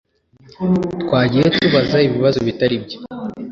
Twagiye tubaza ibibazo bitari byo.